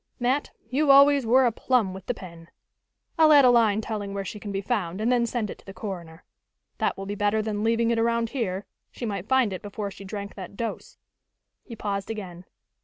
"Mat, you always were a plum with the pen. I'll add a line telling where she can be found and then send it to the coroner. That will be better than leaving it around here. She might find it before she drank that dose." He paused again.